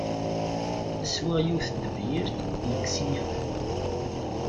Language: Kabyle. Swiɣ yiwet n tebyirt yekkes-iyi fad.